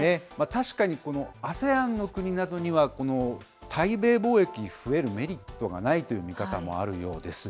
確かに、このＡＳＥＡＮの国などには、対米貿易に増えるメリットがないという見方もあるようです。